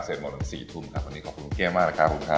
สวัสดีคุณครับวันนี้ขอบคุณเกษตรมากนะคะคุณครับ